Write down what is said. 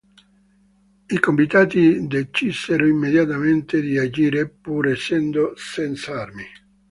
I convitati decisero immediatamente di agire, pur essendo senz'armi.